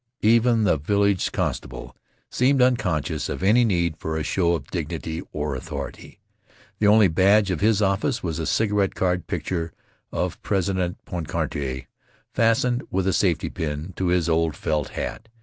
Even the village constable seemed unconscious of any need for a show of dignity or authority. The only badge of his office was a cigarette card picture of President Poincare, fastened with a safety pin to his old felt hat.